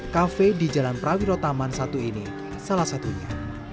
cafe di jalan prawirotaman satu ini salah satunya